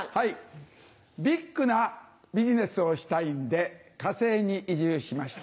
ビッグなビジネスをしたいんで火星に移住しました。